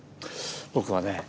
僕はね